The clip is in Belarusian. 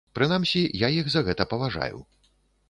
Прынамсі, я іх за гэта паважаю.